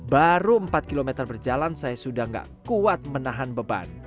baru empat km berjalan saya sudah tidak kuat menahan beban